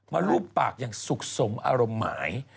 รูปปากอย่างสุขสมอารมณ์หมาย